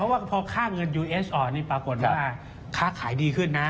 ว่าพอค่าเงินยูเอสอ่อนนี่ปรากฏว่าค้าขายดีขึ้นนะ